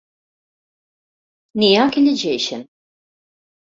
N'hi ha que llegeixen.